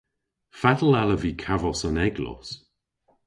Fatel allav vy kavos an eglos?